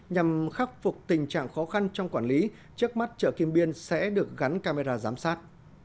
nhằm khắc phục tình trạng khó khăn trong quản lý trước mắt chợ kim biên sẽ được gắn camera giám sát